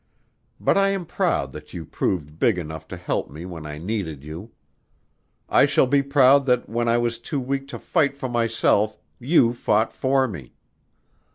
But I am proud that you proved big enough to help me when I needed you. I shall be proud that when I was too weak to fight for myself you fought for me.